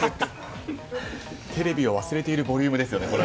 テレビを忘れているボリュームですよね。